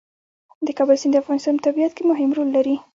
د کابل سیند د افغانستان په طبیعت کې مهم رول لري.